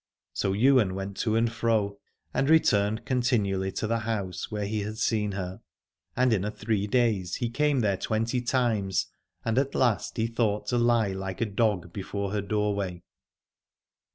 So Ywain went to and fro, and re turned continually to the house where he had seen her : and in a three days he came there twenty times, and at last he thought to lie like a dog before her doorway.